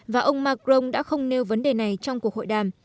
và ông macron đã không nêu vấn đề này trong cuộc hội đàm